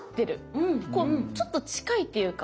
こうちょっと近いっていうか。